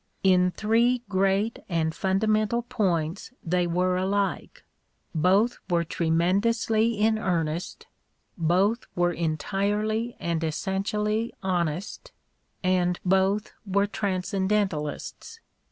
In three great and fundamental points they were alike : both were tremendously in earnest, both were entirely and j^essentially honest, and both were transcendentalists.